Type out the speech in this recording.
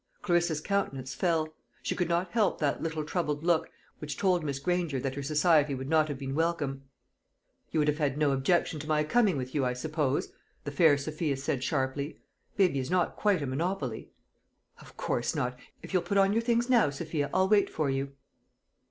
Clarissa's countenance fell. She could not help that little troubled look, which told Miss Granger that her society would not have been welcome. "You would have had no objection to my coming with you, I suppose?" the fair Sophia said sharply. "Baby is not quite a monopoly." "Of course not. If you'll put on your things now, Sophia, I'll wait for you."